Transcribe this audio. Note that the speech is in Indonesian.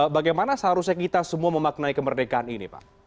bagaimana seharusnya kita semua memaknai kemerdekaan ini pak